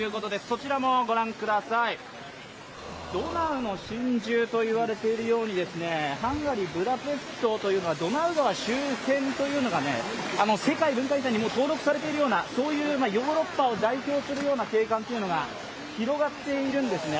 そちらもご覧ください、ドナウの真珠と言われているように、ハンガリー・ブダペストというのはドナウ川周辺というのが世界文化遺産に登録されているようなヨーロッパを代表するような景観が広がっているんですね。